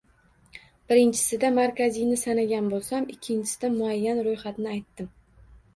Birinchisida markaziyni sanagan boʻlsam, ikkinchisida muayyan roʻyxatni aytdim.